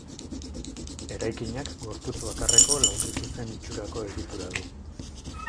Eraikinak gorputz bakarreko laukizuzen itxurako egitura du.